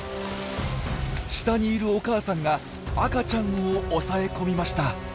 下にいるお母さんが赤ちゃんを押さえ込みました。